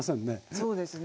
そうですね。